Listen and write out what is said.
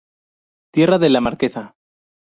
Tierra de la Marquesa.